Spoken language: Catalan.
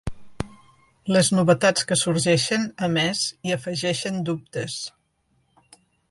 Les novetats que sorgeixen, a més, hi afegeixen dubtes.